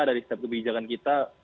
dari setiap kebijakan kita